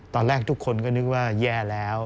ตอนแรกทุกคนก็นึกว่าแย่แล้ว